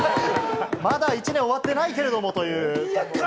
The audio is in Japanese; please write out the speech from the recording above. まだ１年終わってないけれどもという。